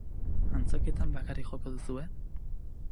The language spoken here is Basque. Antzokietan bakarrik joko duzue?